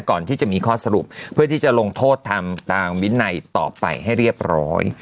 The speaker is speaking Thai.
ก่อนที่จะมีข้อสรุปเพื่อที่จะลงโทษทำตามวินัยต่อไปให้เรียบร้อย